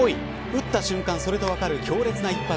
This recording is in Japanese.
打った瞬間、それと分かる強烈な一発。